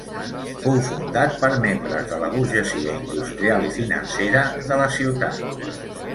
Fou fundat per membres de la burgesia industrial i financera de la ciutat.